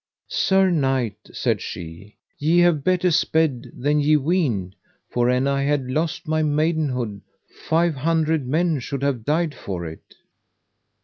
Sir knight, said she, ye have better sped than ye weened, for an I had lost my maidenhead, five hundred men should have died for it.